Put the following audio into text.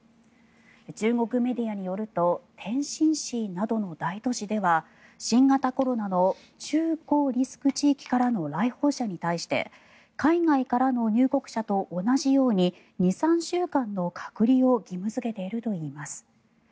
中国メディアによると天津市などの大都市では新型コロナの中・高リスク地域からの来訪者に対して海外からの入国者と同じように２３週間の隔離を義務付けているといいます。